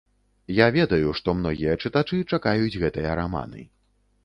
Я ведаю, што многія чытачы чакаюць гэтыя раманы.